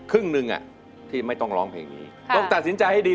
ครึ่งหนึ่งอ่ะที่ไม่ต้องร้องเพลงนี้ต้องตัดสินใจให้ดี